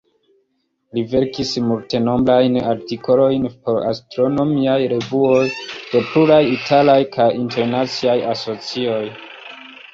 Li verkis multenombrajn artikolojn por astronomiaj revuoj de pluraj italaj kaj internaciaj asocioj.